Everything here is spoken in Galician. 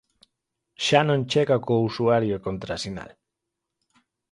Xa non chega co usuario e contrasinal.